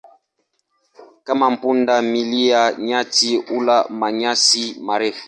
Kama punda milia, nyati hula manyasi marefu.